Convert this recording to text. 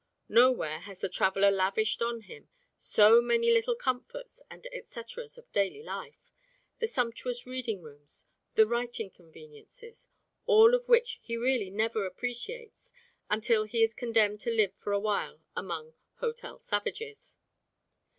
Nowhere has the traveller lavished on him so many little comforts and etceteras of daily life, the sumptuous reading rooms, the writing conveniences, all of which he never really appreciates till he is condemned to live for a while among "hotel savages."